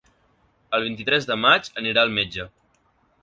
El vint-i-tres de maig anirà al metge.